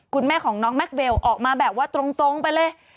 คุณแม่ของน้องแม็กเวลออกมาแบบว่าตรงไปเลย